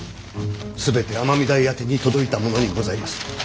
全て尼御台宛てに届いたものにございます。